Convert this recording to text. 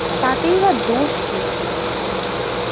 তাতেই বা দোষ কী?